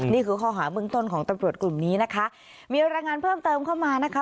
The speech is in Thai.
นี่คือข้อหาเบื้องต้นของตำรวจกลุ่มนี้นะคะมีรายงานเพิ่มเติมเข้ามานะคะ